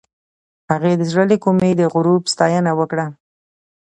هغې د زړه له کومې د غروب ستاینه هم وکړه.